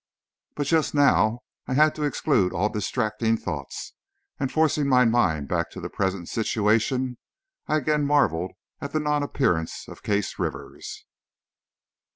But just now, I had to exclude all distracting thoughts, and forcing my mind back to the present situation, I again marveled at the non appearance of Case Rivers.